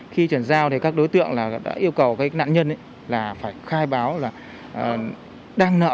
khi chuyển giao thì các đối tượng đã yêu cầu các nạn nhân là phải khai báo